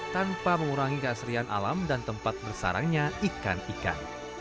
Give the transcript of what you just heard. tanpa mengurangi keasrian alam dan tempat bersarangnya ikan ikan